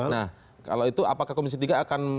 nah kalau itu apakah komisi tiga akan